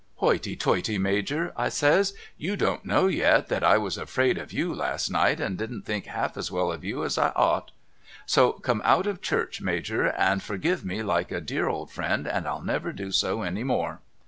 ' Hoity toity, Major,' I says ' you don't know yet that I was afraid of you last night and didn't think half as well of you as I ought ! So come out of church Major and forgive me like a dear old friend and I'll never do so any more.'